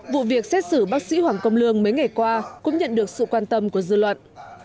vụ việc xét xử bác sĩ hoàng công lương mấy ngày qua cũng nhận được sự quan tâm của dư luận